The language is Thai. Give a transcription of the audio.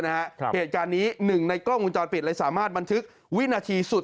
เหตุการณ์นี้หนึ่งในกล้องวงจรปิดเลยสามารถบันทึกวินาทีสุด